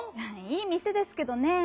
いいみせですけどねぇ。